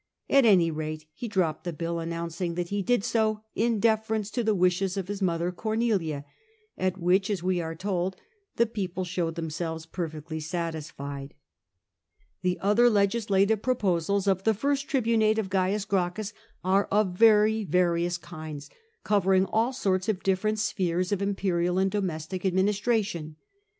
At any rate, he dropped the bill, announcing that he did so in deference to the wishes of his mother Cornelia, at which (as we are told) the people showed themselves perfectly satisfied. The other legislative proposals of the first tribunate of Cains Gracchus are of very various hinds, covering all sorts of different spheres of imperial and domestic admini stration.